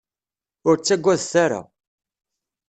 Ur ttagadet ara.